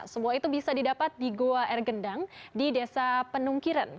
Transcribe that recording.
semua itu bisa didapat di goa air gendang di desa penungkiran